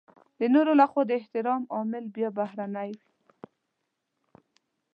د نورو لخوا د احترام عامل بيا بهرنی وي.